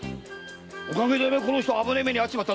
おかげでこの人危ねえ目に遭っちまったんだぞ！